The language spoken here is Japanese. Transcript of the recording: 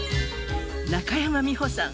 中山美穂さん